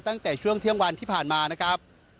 ตั้งแต่ช่วงเที่ยงวันที่ผ่านมานะครับ